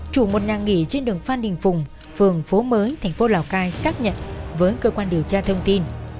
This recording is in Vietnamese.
chủ một nhà nghỉ trên đường phan đình phùng phường phố mới thành phố lào cai xác nhận với cơ quan điều tra thông tin